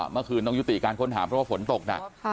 เมื่อคืนต้องยุติการค้นหาเพราะว่าฝนตกหนัก